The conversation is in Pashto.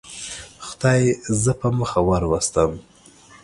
خدای زه په مخه وروستم.